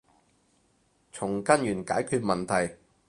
從根源解決問題